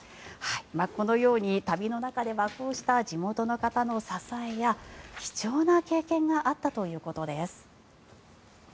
このように旅の中ではこうした地元の方の支えや貴重な経験があったということです。